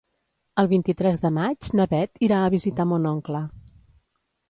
El vint-i-tres de maig na Bet irà a visitar mon oncle.